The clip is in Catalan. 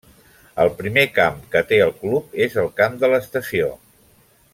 El primer camp que té el club és el Camp de l'Estació.